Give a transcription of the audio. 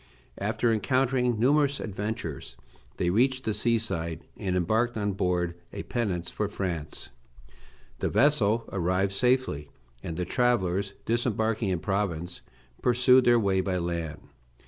After encountering numerous adventures they reached the sea side, and embarked on board a pinnace for France. The vessel arrived safely, and the travellers, disembarking in Provence, pursued their way by land.